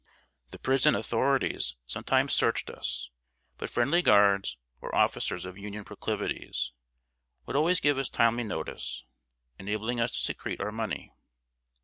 The prison authorities sometimes searched us; but friendly guards, or officers of Union proclivities, would always give us timely notice, enabling us to secrete our money.